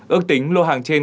ước tính lô hàng trên